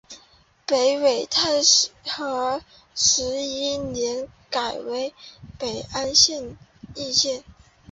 北魏太和十一年改为北安邑县。